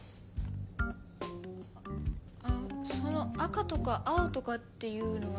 その赤とか青とかっていうのは？